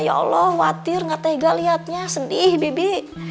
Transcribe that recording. ya allah khawatir ga tega liatnya sedih bibi